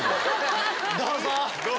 どうぞ！